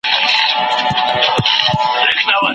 کیسه دي راوړه راته قدیمه